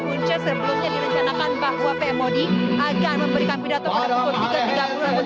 punca sebelumnya direncanakan bahwa pmoi akan memberikan pidato pada pukul tiga tiga puluh